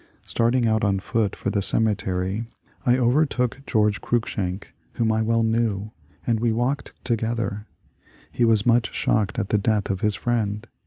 Starting out on foot for the cemetery I overtook Greorge Cruikshank, whom I well knew, and we walked together. He was much shocked at the death of his friend.